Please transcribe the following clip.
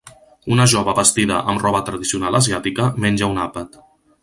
Una jove vestida amb roba tradicional asiàtica menja un àpat.